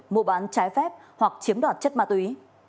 mua bán trái phép hoặc chiếm đoạt chất ma túy